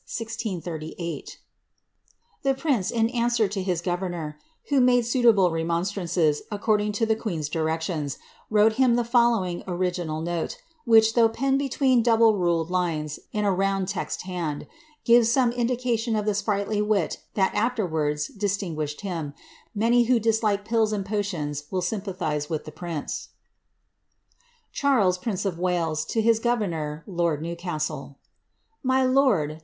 • 163^" Ths prince, in answer to his governor, who made suitable remon ■Mes, according to the queen's directions, wrote him the following IpDsl note, which, though penned between double ruled lines, in a nid text hand, gives some indication of the sprighdy wit that after uds distinguished him — many who dislike pills and potions will sym ihise with the prince : CHAaLis, PaiiioB or W^ua, to bis Gotiknoe, Loan Niwoastul ffJord.